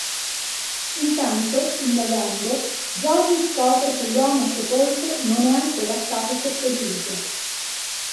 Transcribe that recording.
Intanto, indagando, Johnny scopre che l'uomo sepolto non è ancora stato seppellito.